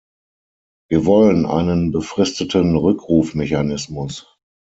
Wir wollen einen befristeten Rückrufmechanismus.